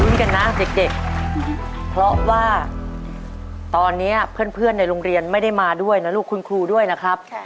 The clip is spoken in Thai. กันนะเด็กเพราะว่าตอนนี้เพื่อนในโรงเรียนไม่ได้มาด้วยนะลูกคุณครูด้วยนะครับ